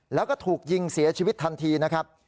แล้วก็ถูกยิงเสียชีวิตทันทีนะครับ